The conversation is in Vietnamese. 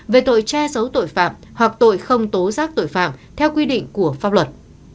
về tội che giấu tội phạm hoặc tội không tố giác tội phạm theo quy định của pháp luật